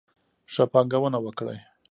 ښه پانګونه وکړئ.